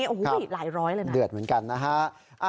โอ้โหหลายร้อยเลยนะเดือดเหมือนกันนะฮะ